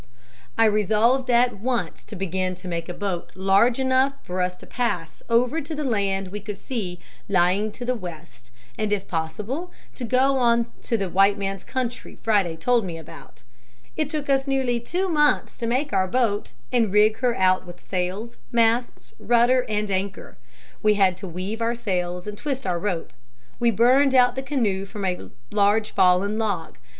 "I resolved at once to begin to make a boat large enough for us to pass over to the land we could see lying to the west and if possible to go on to the white man's country Friday told me about. It took us nearly two months to make our boat and rig her out with sails, masts, rudder, and anchor. We had to weave our sails and twist our rope. We burned out the canoe from a large fallen log.